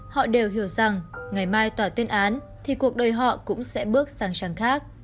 họ đều hiểu rằng ngày mai tòa tuyên án thì cuộc đời họ cũng sẽ bước sang trang khác